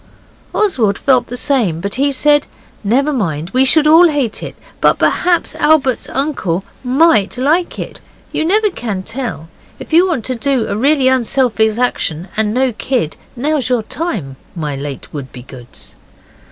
Oswald felt the same, but he said, 'Never mind. We should all hate it, but perhaps Albert's uncle MIGHT like it. You can never tell. If you want to do a really unselfish action and no kid, now's your time, my late Wouldbegoods.